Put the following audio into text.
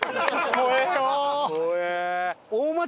怖えよお！